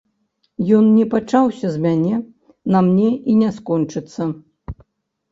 Ён не пачаўся з мяне, на мне і не скончыцца.